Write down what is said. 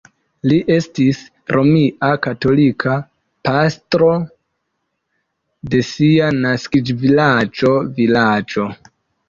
Li estis romia katolika pastro de sia naskiĝvilaĝo vilaĝo.